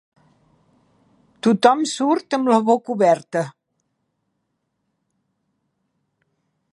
Tothom surt amb la boca oberta.